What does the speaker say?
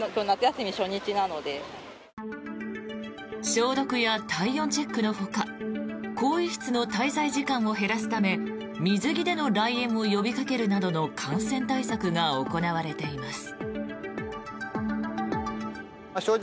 消毒や体温チェックのほか更衣室の滞在時間を減らすため水着での来園を呼びかけるなどの感染対策が行われています。